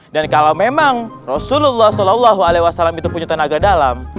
dan kalau memang rasulullah saw itu punya tenaga dalam